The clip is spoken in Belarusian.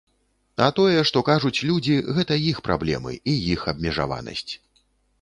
А тое, што кажуць людзі, гэта іх праблемы і іх абмежаванасць.